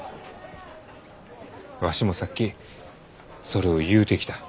わしもさっきそれを言うてきた。